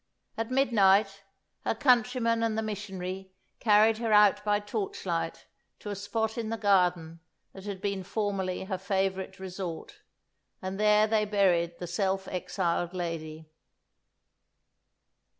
At midnight, her countryman and the missionary carried her out by torchlight to a spot in the garden that had been formerly her favourite resort, and there they buried the self exiled lady."